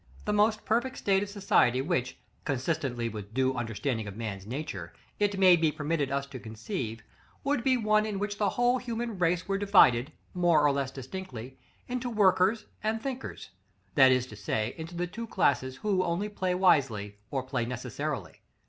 The most perfect state of society which, consistently with due understanding of man's nature, it may be permitted us to conceive, would be one in which the whole human race were divided, more or less distinctly, into workers and thinkers; that is to say, into the two classes, who only play wisely, or play necessarily.